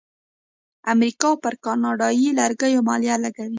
امریکا پر کاناډایی لرګیو مالیه لګوي.